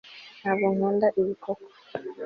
ntabwo nkunda ibikoko